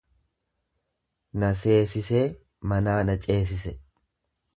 Na seesisee manaa na ceesise.